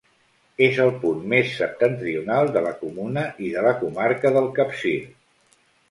És el punt més septentrional de la comuna i de la comarca del Capcir.